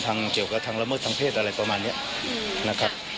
ทางเกี่ยวกับทางละเมิดทางเพศอะไรป่ะ